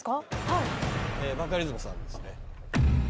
バカリズムさんですね。